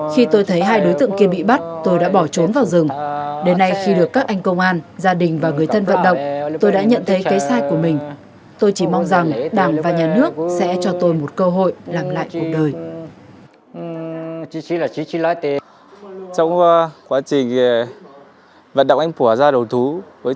khi tôi thấy hai đối tượng kia bị bắt tôi đã bỏ trốn vào rừng đến nay khi được các anh công an gia đình và người thân vận động tôi đã nhận thấy cái sai của mình tôi chỉ mong rằng đảng và nhà nước sẽ cho tôi một cơ hội làm lại cuộc đời